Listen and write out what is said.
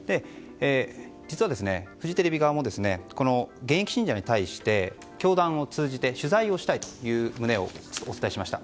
実は、フジテレビ側も現役信者に対して、教団を通じて取材をしたいという旨をお伝えしました。